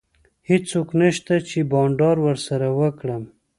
هیڅوک نشته چي بانډار ورسره وکړم.